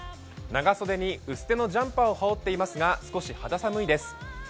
長袖に薄手のジャンパーを羽織っていますが、少し肌寒いです。